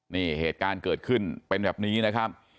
นี่เหตุการณ์เกิดขึ้นเป็นแบบนี้นะครับ